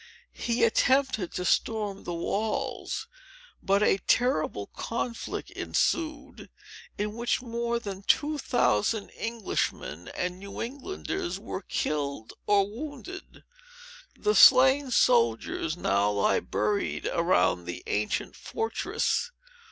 He attempted to storm the walls; but a terrible conflict ensued, in which more than two thousand Englishmen and New Englanders were killed or wounded. The slain soldiers now lie buried around that ancient fortress.